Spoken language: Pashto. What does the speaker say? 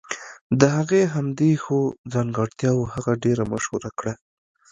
د هغې همدې ښو ځانګرتياوو هغه ډېره مشهوره کړه.